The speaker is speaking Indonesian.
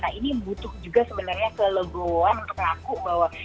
nah ini butuh juga sebenarnya keleluhan untuk mengaku bahwa